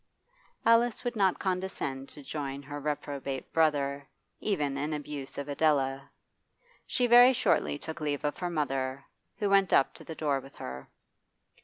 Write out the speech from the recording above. Alice would not condescend to join her reprobate brother, even in abuse of Adela. She very shortly took leave of her mother, who went up to the door with her.